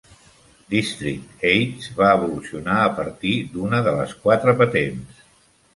District Heights va evolucionar a partir d'una de les quatre patents.